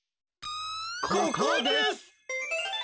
ここです！